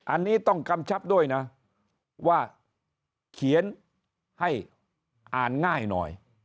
อันนี้ต้องกำชับด้วยนะว่าเขียนให้อ่านง่ายหน่อย